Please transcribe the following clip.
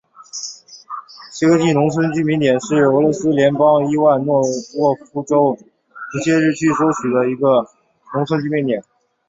谢戈季农村居民点是俄罗斯联邦伊万诺沃州普切日区所属的一个农村居民点。